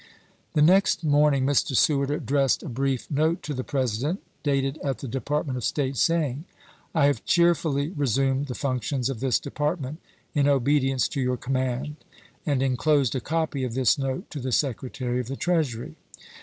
The next morning Mr. Seward addressed a brief note to the President, dated at the Department of State, sajdng : "I have cheerfully resumed the functions of this Department, in obedience to your command "; and inclosed a copy of this note to the Secretary of the Treasury.